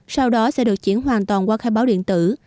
sau đó sẽ được chuyển hoàn toàn qua khai báo điện tử